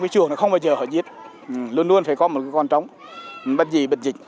còn không thì